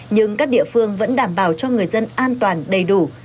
nhưng các địa phương vẫn đảm bảo cho người dân an toàn đầy đủ